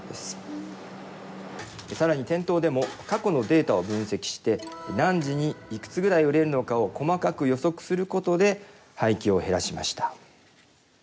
更に店頭でも過去のデータを分析して何時にいくつぐらい売れるのかを細かく予測することで廃棄を減らしました。